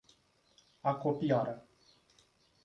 Acopiara